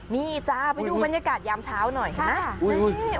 นี่จ้าไปดูบรรยากาศยามเช้าหน่อยเห็นไหม